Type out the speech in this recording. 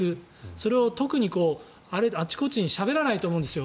それを特にあちこちにしゃべらないと思うんですよ。